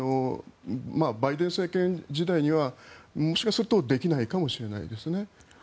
バイデン政権時代にはもしかするとできないかもしれないですね。